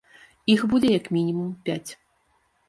Іх будзе як мінімум пяць.